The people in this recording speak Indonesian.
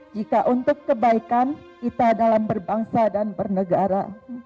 jika untuk kebaikan kita dalam berbangsa dan bernegara